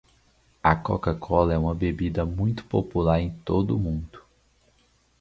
A Coca-Cola é uma bebida muito popular em todo o mundo.